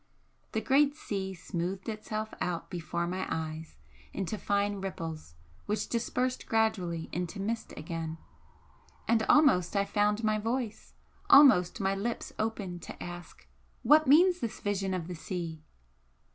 The great sea smoothed itself out before my eyes into fine ripples which dispersed gradually into mist again and almost I found my voice almost my lips opened to ask: "What means this vision of the sea?"